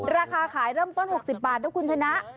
ราคาขายเริ่มต้น๖๐บาทนะคุณชนะ